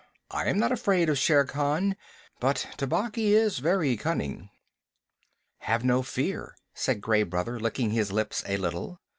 "I am not afraid of Shere Khan, but Tabaqui is very cunning." "Have no fear," said Gray Brother, licking his lips a little.